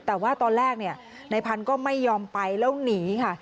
แต่ว่าตอนแรกในพันธุ์ก็ไม่ยอมไปแล้วหนีค่ะ